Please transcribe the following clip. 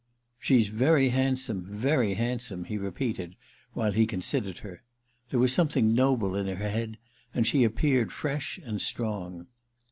"She's very handsome—very handsome," he repeated while he considered her. There was something noble in her head, and she appeared fresh and strong.